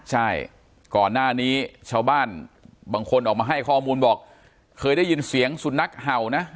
ใช่ก่อนหน้านี้ชาวบ้านบางคนออกมาให้ข้อมูลบอกเคยได้ยินเสียงสุนัขเห่านะ